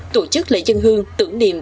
tổ chức lễ dân hương tưởng niệm